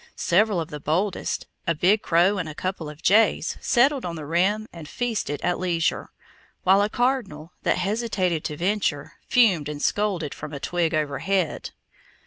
Several of the boldest, a big crow and a couple of jays, settled on the rim and feasted at leisure, while a cardinal, that hesitated to venture, fumed and scolded from a twig overhead.